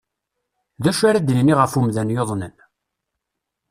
D acu ara d-nini ɣef umdan yuḍnen?